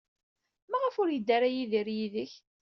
Maɣef ur yeddi ara Yidir yid-k?